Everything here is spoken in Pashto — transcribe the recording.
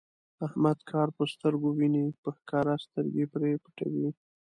احمد کار په سترګو ویني، په ښکاره سترګې پرې پټوي.